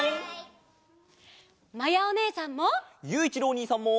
まやおねえさんも！